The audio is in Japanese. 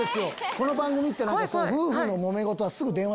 この番組って。